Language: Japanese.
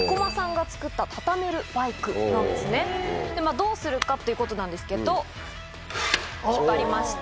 どうするかっていうことなんですけど引っ張りまして。